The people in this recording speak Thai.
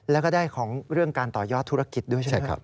แล้วก็ได้ของเรื่องการต่อยอดธุรกิจด้วยใช่ไหมครับ